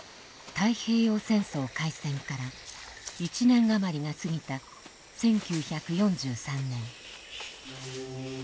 太平洋戦争開戦から１年余りが過ぎた１９４３年。